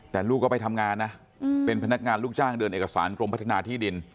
แต่ลูกก็ไปทำงานนะเป็นพนักงานลูกจ้างเดินเอกสารกรมพัฒนาที่ดิน